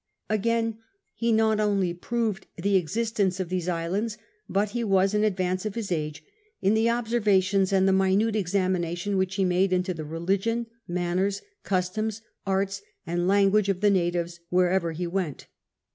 Again, he not only proved the existence of these islands, but he was in advance of his age in the observa tions and the minute examination which he made into the religion, manners, customs, arts, and language of the ihatives wherever he went.